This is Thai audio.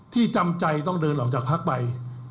ที่จำใจต้องเดินหลังจากพักไป